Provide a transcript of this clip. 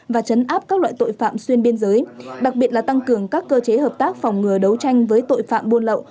và chấn áp các loại tội phạm xuyên biên giới đặc biệt là tăng cường các cơ chế hợp tác phòng ngừa đấu tranh với tội phạm buôn lậu